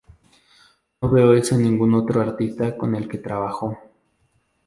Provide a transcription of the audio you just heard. No veo eso en ningún otro artista con el que trabajo.